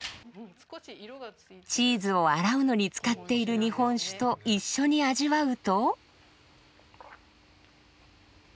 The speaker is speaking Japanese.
チーズを洗うのに使っている日本酒と一緒に味わうと。